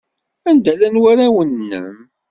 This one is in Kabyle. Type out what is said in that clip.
Anda llan warraw-nnem?